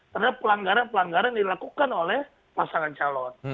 karena pelanggaran dilakukan oleh pasangan calon